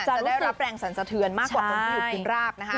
จะได้รับแรงสรรสะเทือนมากกว่าคนที่อยู่กินราบนะคะ